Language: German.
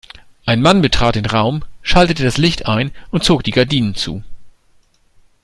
Ein Mann betrat den Raum, schaltete das Licht ein und zog die Gardinen zu.